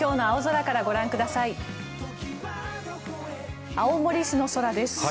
青森市の空です。